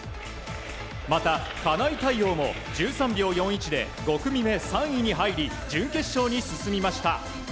また金井大旺も１３秒４１で５組目３位に入り準決勝に進みました。